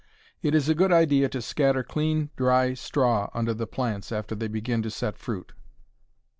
It is a good idea to scatter clean, dry straw under the plants after they begin to set fruit.